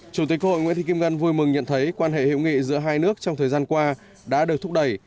chủ tịch hội nguyễn thị kim ngân vui mừng nhận thấy quan hệ hiệu nghị giữa hai nước trong thời gian qua đã được thúc đẩy